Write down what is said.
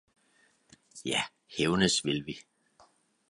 Ja hævnes vil vi